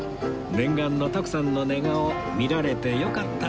念願の徳さんの寝顔見られてよかったですね